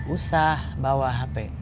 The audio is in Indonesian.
usah bawa hp